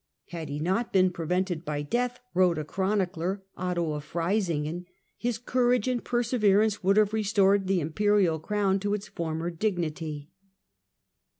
"Had he not been prevented by death," ^^^'^ wrote the chronicler Otto of Freisingen, " his courage and perseverance would have restored the imperial crown to its former dignity."